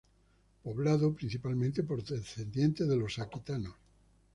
Poblado principalmente por descendientes de los aquitanos.